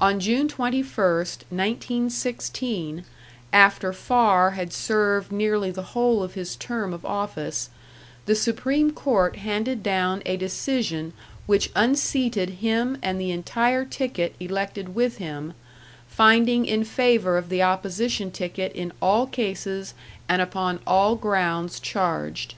On June 21st, 1916, after Farr had served nearly the whole of his term of office, the Supreme Court handed down a decision which unseated him and the entire ticket elected with him, finding in favour of the opposition ticket in all cases and upon all grounds charged.